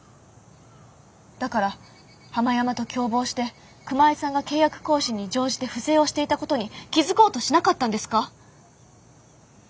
だからハマヤマと共謀して熊井さんが契約更新に乗じて不正をしていたことに気付こうとしなかったんですか？